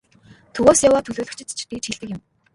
Төвөөс яваа төлөөлөгчид ч тэгж хэлдэг л юм.